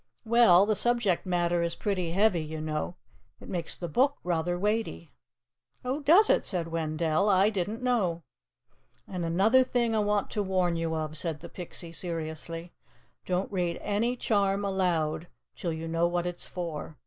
"Well, the subject matter is pretty heavy, you know. It makes the book rather weighty." "Oh, does it?" said Wendell. "I didn't know." "And another thing I want to warn you of," said the Pixie seriously. "Don't read any charm aloud, till you know what it's for.